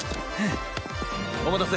お待たせ。